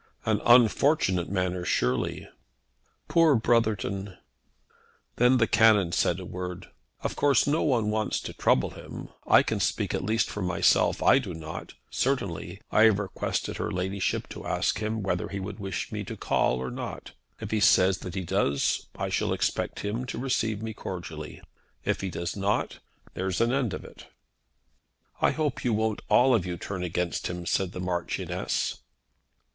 "An unfortunate manner, surely." "Poor Brotherton!" Then the Canon said a word. "Of course no one wants to trouble him. I can speak at least for myself. I do not, certainly. I have requested her ladyship to ask him whether he would wish me to call or not. If he says that he does, I shall expect him to receive me cordially. If he does not there's an end of it." "I hope you won't all of you turn against him," said the Marchioness.